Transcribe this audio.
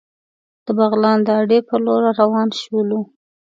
د بغلان د اډې په لور را روان شولو.